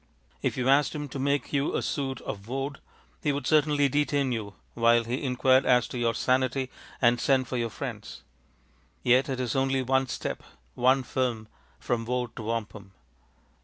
If you asked him to make you a suit of woad he would certainly detain you while he inquired as to your sanity and sent for your friends. Yet it is only one step, one film, from woad to wampum.